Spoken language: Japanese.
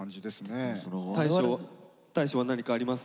大昇は何かあります？